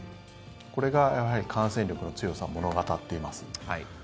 これがやはり感染力の強さを物語っています。